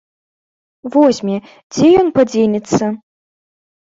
Возьме, дзе ён падзенецца.